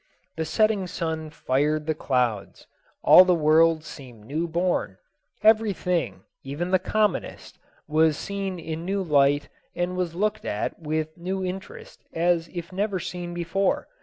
The setting sun fired the clouds. All the world seemed new born. Every thing, even the commonest, was seen in new light and was looked at with new interest as if never seen before.